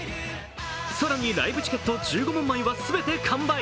更にライブチケット１５万枚は全て完売。